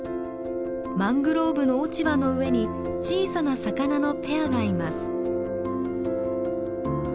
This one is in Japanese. マングローブの落ち葉の上に小さな魚のペアがいます。